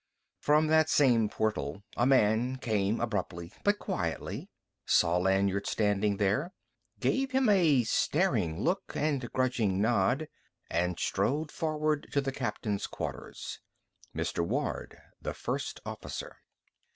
From that same portal a man came abruptly but quietly, saw Lanyard standing there, gave him a staring look and grudging nod, and strode forward to the captain's quarters: Mr. Warde, the first officer.